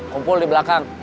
kumpul di belakang